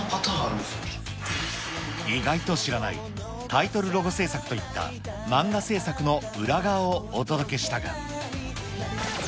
意外と知らない、タイトルロゴ制作といった、漫画制作の裏側をお届けしたが。